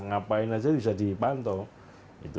ngapain aja bisa dipantau